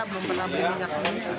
belum pernah beli minyak